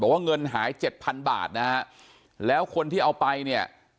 บอกว่าเงินหาย๗๐๐๐บาทแล้วคนที่เอาไป